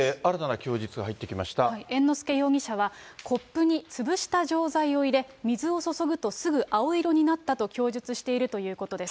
猿之助容疑者はコップに潰した錠剤を入れ、水をそそぐとすぐ青色になったと供述しているということです。